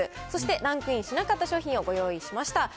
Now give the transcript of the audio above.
そして、ランクインしなかった商品をご用意しました。